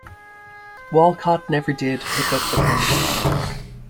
Walcott never did pick up the count.